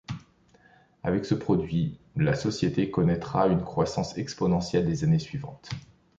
Avec ce produit, l;a société connaitra une croissance exponentielle les années suivantes.